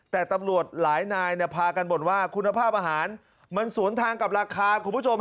แต่ตำรวจหลายนายเนี่ยพากันบ่นว่าคุณภาพอาหารมันสวนทางกับราคา